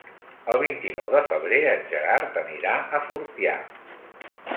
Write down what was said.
El vint-i-nou de febrer en Gerard anirà a Fortià.